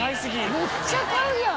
めっちゃ買うやん。